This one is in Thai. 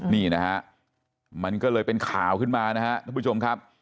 นี่นะฮะมันก็เลยเป็นข่าวขึ้นมานะครับท่านผู้ชมครับ